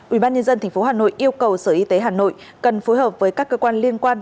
ubnd tp hà nội yêu cầu sở y tế hà nội cần phối hợp với các cơ quan liên quan